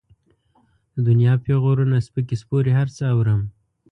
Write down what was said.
د دنيا پېغورونه، سپکې سپورې هر څه اورم.